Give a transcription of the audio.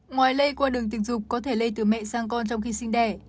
ngoài lây qua đường tình dục có thể lây từ mẹ sang con trong khi sinh đẻ